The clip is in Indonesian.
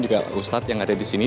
juga ustadz yang ada di sini